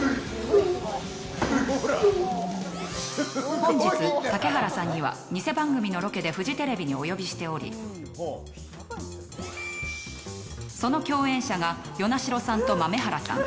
本日竹原さんにはニセ番組のロケでフジテレビにお呼びしておりその共演者が與那城さんと豆原さん。